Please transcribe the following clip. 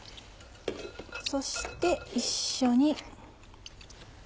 そして一緒に。